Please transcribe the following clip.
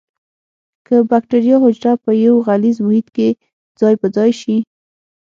که بکټریا حجره په یو غلیظ محیط کې ځای په ځای شي.